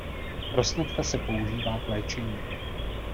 Rosnatka se používá k léčení.